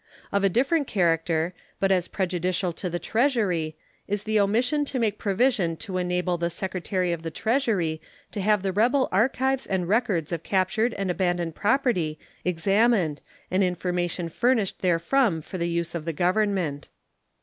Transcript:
Of a different character, but as prejudicial to the Treasury, is the omission to make provision to enable the Secretary of the Treasury to have the rebel archives and records of captured and abandoned property examined and information furnished therefrom for the use of the Government.